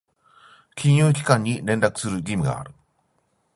金融機関に連絡する義務がある。